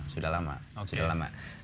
sudah lama sudah lama